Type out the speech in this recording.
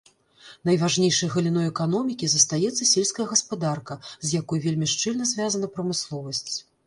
Найважнейшай галіной эканомікі застаецца сельская гаспадарка, з якой вельмі шчыльна звязана прамысловасць.